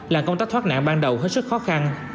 là công tác thoát nạn ban đầu hết sức khó khăn